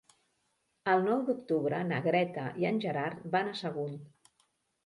El nou d'octubre na Greta i en Gerard van a Sagunt.